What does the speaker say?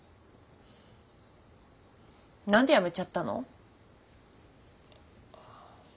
なんでやめちゃったの？